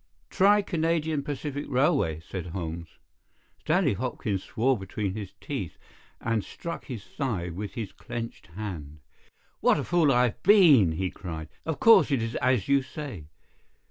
"Try Canadian Pacific Railway," said Holmes. Stanley Hopkins swore between his teeth, and struck his thigh with his clenched hand. "What a fool I have been!" he cried. "Of course, it is as you say.